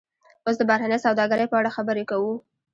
اوس د بهرنۍ سوداګرۍ په اړه خبرې کوو